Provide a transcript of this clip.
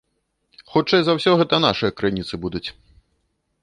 Хутчэй за ўсё гэта нашыя крыніцы будуць.